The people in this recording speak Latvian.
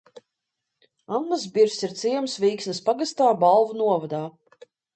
Annasbirzs ir ciems Vīksnas pagastā, Balvu novadā.